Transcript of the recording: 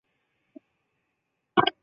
每年在法国的维苏举办。